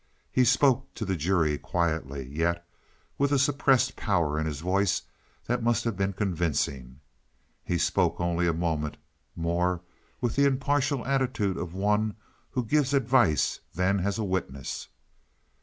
He spoke to the jury quietly, yet with a suppressed power in his voice that must have been convincing. He spoke only a moment, more with the impartial attitude of one who gives advice than as a witness.